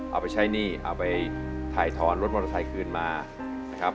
เอาไปใช้หนี้เอาไปถ่ายถอนรถมอเตอร์ไซค์คืนมานะครับ